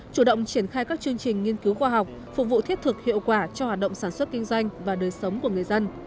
chủ động triển khai các chương trình nghiên cứu khoa học phục vụ thiết thực hiệu quả cho hoạt động sản xuất kinh doanh và đời sống của người dân